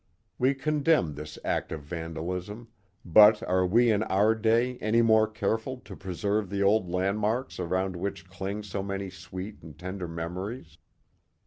We condemn this act of vandalism, but are we in our day any more careful to preserve the old land marks around which cling so many sweet and tender memories.